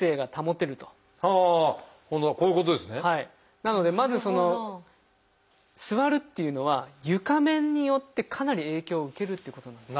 なのでまずその座るっていうのは床面によってかなり影響を受けるっていうことなんです。